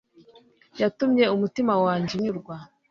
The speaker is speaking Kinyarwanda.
yatumye umutima wanjye unyurwa